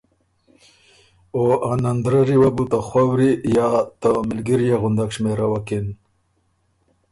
او ا نندرَرّی وه بو ته خؤری یا ته مِلګريې غُندک شمېروکِن۔